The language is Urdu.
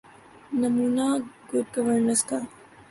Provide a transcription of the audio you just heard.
نمونہ گڈ گورننس کا۔